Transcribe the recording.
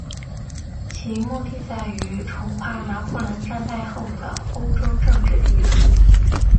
其目的在于重画拿破仑战败后的欧洲政治地图。